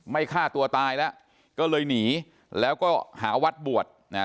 ฆ่าตัวตายแล้วก็เลยหนีแล้วก็หาวัดบวชนะฮะ